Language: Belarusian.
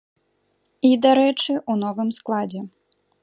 І, дарэчы, у новым складзе.